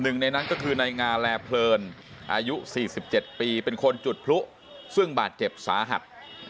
หนึ่งในนั้นก็คือนายงาแลเพลินอายุ๔๗ปีเป็นคนจุดพลุซึ่งบาดเจ็บสาหัส